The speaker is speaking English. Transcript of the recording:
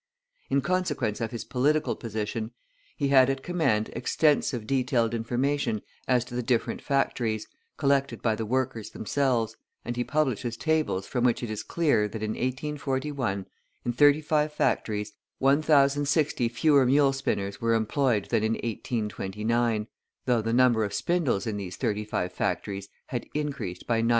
In consequence of his political position, he had at command extensive detailed information as to the different factories, collected by the workers themselves, and he publishes tables from which it is clear that in 1841, in 35 factories, 1,060 fewer mule spinners were employed than in 1829, though the number of spindles in these 35 factories had increased by 99,239.